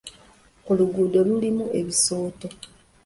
Oluguudo lulimu ebisooto.